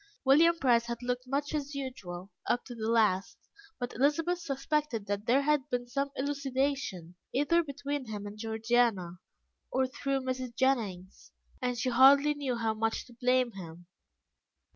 William Price had looked much as usual, up to the last, but Elizabeth suspected that there had been some elucidation either between him and Georgiana, or through Mrs. Jennings, and she hardly knew how much to blame him.